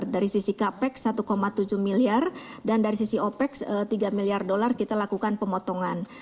dari sisi capex satu tujuh miliar dan dari sisi opex tiga miliar dolar kita lakukan pemotongan